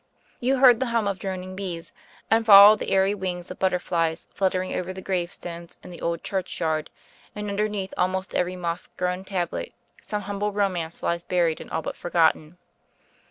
You heard the hum of droning bees and followed the airy wings of butterflies fluttering over the gravestones in the old churchyard, and underneath almost every moss grown tablet some humble romance lies buried and all but forgotten.